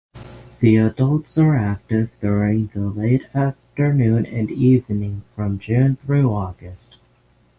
The adults are active during the late afternoon and evening from June through August.